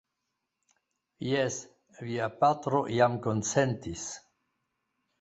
Jes, via patro jam konsentis.